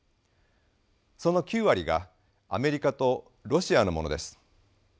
その９割がアメリカとロシアのものです。